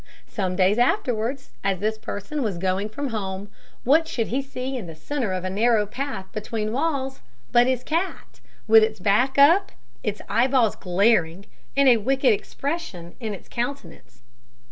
Some days afterwards, as this person was going from home, what should he see in the centre of a narrow path between walls but his cat, with its back up, its eyeballs glaring, and a wicked expression in its countenance.